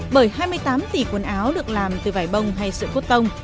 bởi hai mươi tám tỷ quần áo được làm từ vải bông hay sữa cốt tông